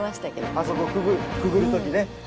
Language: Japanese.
あそこくぐるときね。